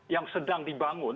yang sedang dibangun